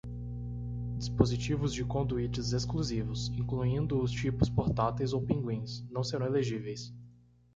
Dispositivos de conduítes exclusivos, incluindo os tipos portáteis ou pinguins, não serão elegíveis.